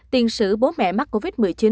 tiên sử bố mẹ mắc covid một mươi chín